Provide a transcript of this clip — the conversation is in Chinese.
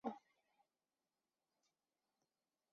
韦尔代人口变化图示